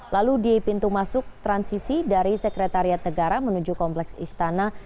lalu di pintu masuk transisi dari sekretariat negara menuju kompleks istana